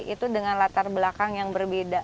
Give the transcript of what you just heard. itu dengan latar belakang yang berbeda